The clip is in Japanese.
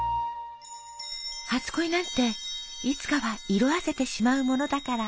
「初恋なんていつかは色あせてしまうものだから」。